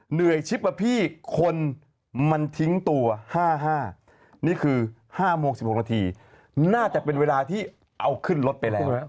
ชิปอ่ะพี่คนมันทิ้งตัว๕๕นี่คือ๕โมง๑๖นาทีน่าจะเป็นเวลาที่เอาขึ้นรถไปแล้ว